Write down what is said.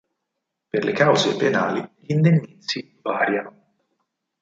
Per le cause penali, gli indennizzi variano.